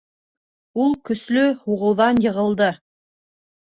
Ул көслө һуғыуҙан йығылды